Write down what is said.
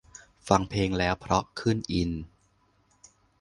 ฟังเพลงแล้วเพราะขึ้น อิน